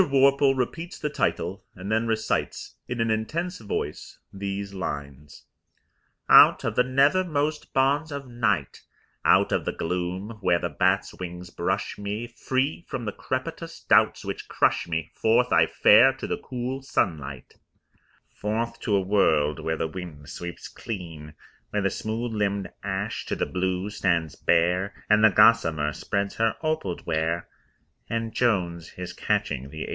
Worple repeats the title, and then recites in an intense voice these lines: Out of the nethermost bonds of night, Out of the gloom where the bats' wings brush me, Free from the crepitous doubts which crush me, Forth I fare to the cool sunlight; Forth to a world where the wind sweeps clean, Where the smooth limbed ash to the blue stands bare, And the gossamer spreads her opalled ware And Jones is catching the 8.